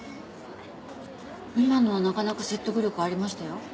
今のはなかなか説得力ありましたよ。